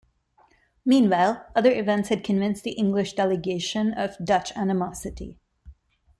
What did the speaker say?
Meanwhile, other events had convinced the English delegation of Dutch animosity.